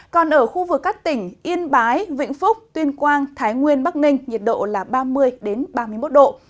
còn ở khu vực các tỉnh yên bái vĩnh phúc tuyên quang thái nguyên bắc ninh nhiệt độ là ba mươi ba mươi một độ